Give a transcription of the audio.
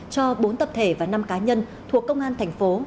cho bốn tập thể và năm cá nhân thuộc công an thành phố